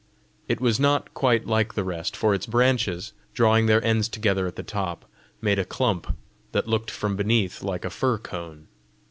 It was not quite like the rest, for its branches, drawing their ends together at the top, made a clump that looked from beneath like a fir cone.